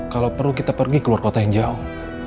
kalau perlu kita pergi keluar kota yang jauh